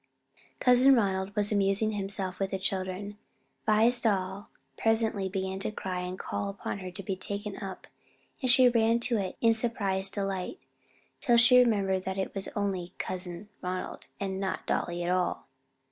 Cousin Ronald was amusing himself with the children. Vi's doll presently began to cry and call upon her to be taken up, and she ran to it in surprised delight, till she remembered that it was "only Cousin Ronald and not dolly at all."